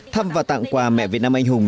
thăm và tặng quà mẹ việt nam anh hùng